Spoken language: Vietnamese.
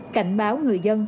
cảnh báo người dân